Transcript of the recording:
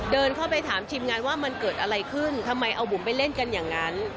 เดินเข้าไปถามทีมงานว่ามันเกิดอะไรขึ้นทำไมเอาบุ๋มไปเล่นกันอย่างนั้น